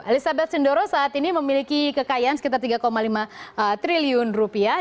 elizabeth sindoro saat ini memiliki kekayaan sekitar tiga lima triliun rupiah